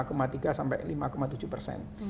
nah kembali ke posisi kemarin